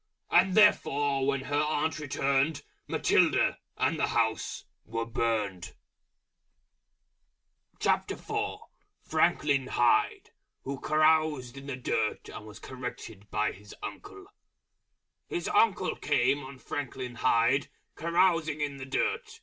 And therefore when her Aunt returned, Matilda, and the House, were Burned. FRANKLIN HYDE, Who caroused in the Dirt and was corrected by His Uncle. His Uncle came on Franklin Hyde Carousing in the Dirt.